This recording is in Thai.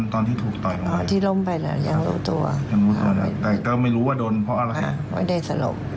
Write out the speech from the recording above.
ตอนที่ถูกต่อยตรงไหนยังรู้ตัวแต่ก็ไม่รู้ว่าโดนเพราะอะไร